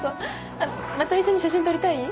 あっまた一緒に写真撮りたい？